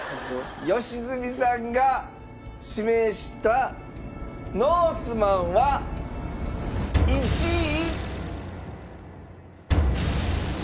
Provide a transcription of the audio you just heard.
良純さんが指名したノースマンは１位。